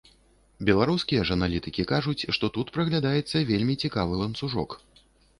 Беларускія ж аналітыкі кажуць, што тут праглядаецца вельмі цікавы ланцужок.